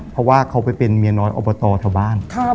เพราะว่าเขาไปเป็นเมียน้อยอบตแถวบ้าน